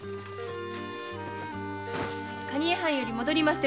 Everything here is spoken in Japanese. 蟹江藩より戻りました。